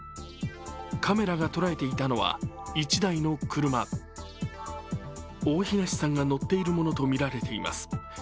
カメラがとらえていたのは１台の車大東さんが乗っているものとみられています。